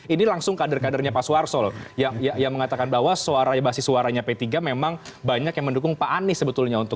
ini langsung kader kadernya pak suwarsol yang mengatakan bahwa suaranya p tiga memang banyak yang mendukung pak anies sebetulnya untuk dua ribu dua puluh empat